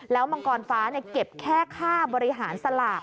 มังกรฟ้าเก็บแค่ค่าบริหารสลาก